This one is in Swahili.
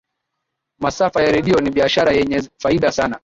masafa ya redio ni biashara yenye faida sana